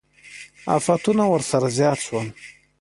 افتونه ورسره زیات شول.